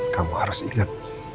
kamu harus ingat